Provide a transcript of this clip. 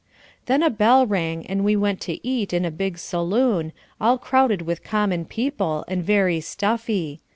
Then a bell rang and we went to eat in a big saloon, all crowded with common people, and very stuffy.